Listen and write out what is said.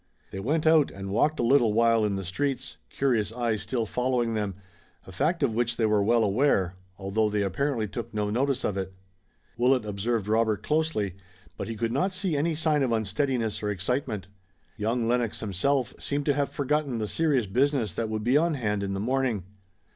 They went out and walked a little while in the streets, curious eyes still following them, a fact of which they were well aware, although they apparently took no notice of it. Willet observed Robert closely, but he could not see any sign of unsteadiness or excitement. Young Lennox himself seemed to have forgotten the serious business that would be on hand in the morning.